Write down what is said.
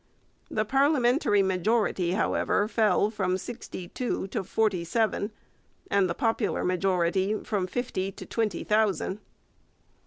The parliamentary majority, however, fell from sixty two to forty seven, and the popular majority from fifty to twenty thousand.